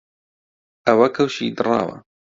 ئەوە کەوشی دڕاوە